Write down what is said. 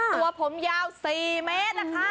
ตัวผมยาว๔เมตรล่ะค่ะ